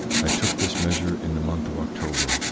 I took this measure in the month of October.